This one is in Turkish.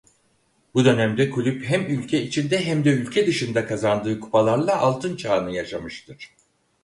Bu dönemde kulüp hem ülke içinde hem de ülke dışında kazandığı kupalarla altın çağını yaşamıştır.